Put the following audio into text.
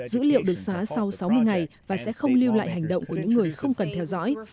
dữ liệu được xóa sau sáu mươi ngày và sẽ không lưu lại hành động của những người không cần theo dõi